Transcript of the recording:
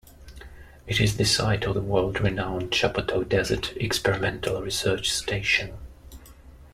It is the site of the world-renowned Shapotou Desert Experimental Research Station.